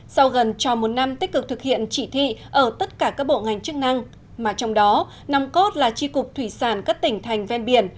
sau gần trò một năm tích cực thực hiện chỉ thị ở tất cả các bộ ngành chức năng mà trong đó nòng cốt là tri cục thủy sản các tỉnh thành ven biển